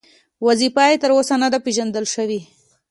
وظیفه یې تر اوسه نه ده پېژندل شوې.